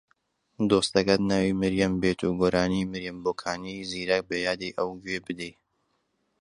دۆستەکەت ناوی مریەم بێت و گۆرانی مریەم بۆکانی زیرەک بە یادی ئەو گوێ بدەی